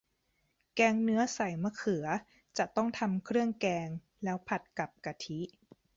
แกงเนื้อใส่มะเขือ จะต้องทำเครื่องแกงแล้วผัดกับกะทิ